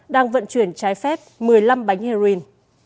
đang vận chuyển trái phép một mươi năm bánh heroin